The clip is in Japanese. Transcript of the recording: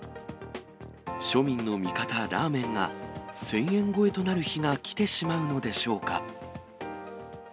庶民の味方、ラーメンが、１０００円超えとなる日が来てしまうのでしょうか。